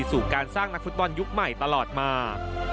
สู่การสร้างนักฟุตบอลยุคใหม่ตลอดมา